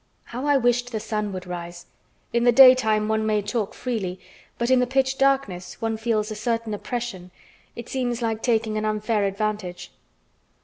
How I wished the sun would rise. In the daytime one may talk freely, but in the pitch darkness one feels a certain oppression, it seems like taking an unfair advantage.